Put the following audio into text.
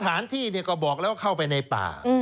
สถานที่ก็บอกแล้วเข้าไปในป่า